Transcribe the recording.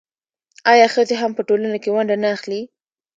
آیا ښځې هم په ټولنه کې ونډه نه اخلي؟